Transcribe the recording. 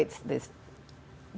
jadi tidak ada penyakit